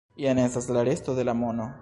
Jen estas la resto de la mono.